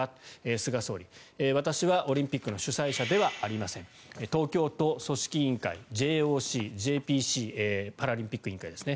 菅総理、私はオリンピックの主催者ではありません東京都組織委員会ＪＯＣ、ＪＰＣパラリンピック委員会ですね